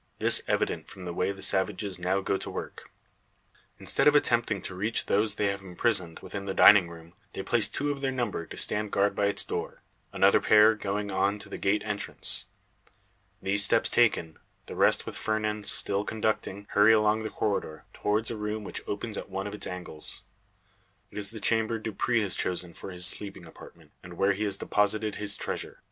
This evident from the way the savages now go to work. Instead of attempting to reach those they have imprisoned within the dining room, they place two of their number to stand guard by its door; another pair going on to the gate entrance. These steps taken, the rest, with Fernand still conducting, hurry along the corridor, towards a room which opens at one of its angles. It is the chamber Dupre has chosen for his sleeping apartment, and where he has deposited his treasure.